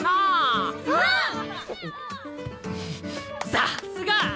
さっすが！